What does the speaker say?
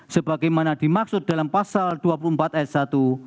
sebagaimana dimaksud dalam pasal dua puluh empat s satu